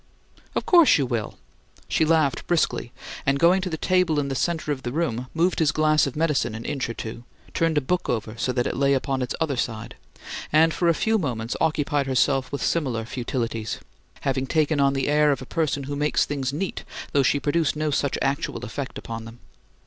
"Of course you will!" She laughed briskly, and, going to the table in the center of the room, moved his glass of medicine an inch or two, turned a book over so that it lay upon its other side, and for a few moments occupied herself with similar futilities, having taken on the air of a person who makes things neat, though she produced no such actual effect upon them.